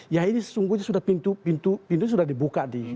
ya ini sejujurnya sudah pintu pintu pintunya sudah dibuka di depan